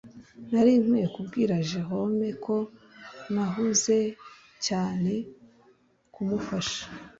nari nkwiye kubwira jerome ko nahuze cyane kumufasha